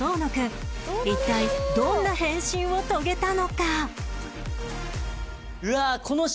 一体どんな変身を遂げたのか？